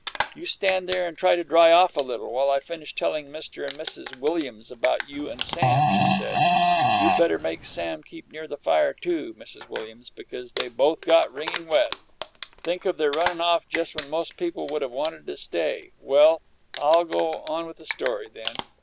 "You stand there and try to dry off a little, while I finish telling Mr. and Mrs. Williams about you and Sam," she said. "You'd better make Sam keep near the fire, too, Mrs. Williams, because they both got wringing wet. Think of their running off just when most people would have wanted to stay! Well, I'll go on with the story, then.